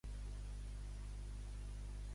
Què va impedir que aquest matés a Creusa?